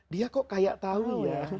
dia kok kayak tau ya